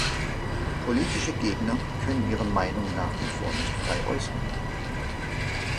Politische Gegner können ihre Meinung nach wie vor nicht frei äußern.